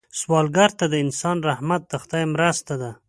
سوالګر ته د انسان رحمت د خدای مرسته ده